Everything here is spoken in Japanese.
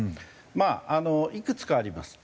まああのいくつかあります。